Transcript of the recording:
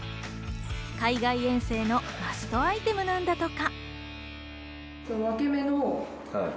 海外遠征のマストアイテムなんだとか。